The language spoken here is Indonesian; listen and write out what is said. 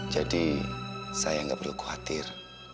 jadi saya tidak perlu khawatir